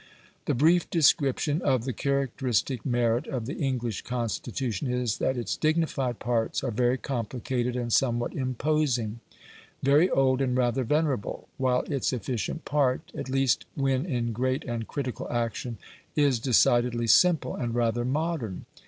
The brief description of the characteristic merit of the English Constitution is, that its dignified parts are very complicated and somewhat imposing, very old and rather venerable; while its efficient part, at least when in great and critical action, is decidedly simple and rather modern.